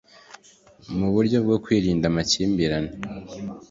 mu buryo bwo kwirinda amakimbirane